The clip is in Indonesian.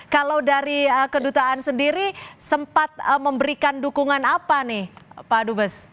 kalau dari kedutaan sendiri sempat memberikan dukungan apa nih pak dubes